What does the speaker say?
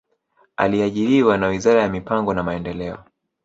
Aliajiriwa na wizara ya mipango na maendeleo